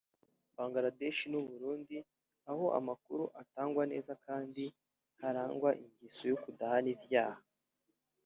Bangladesh n'Uburundi aho amakuru atagitangwa neza kandi harangwa ingeso yo kudahana ivyaha